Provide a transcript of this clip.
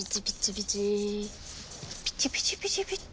ピチピチピチピチ？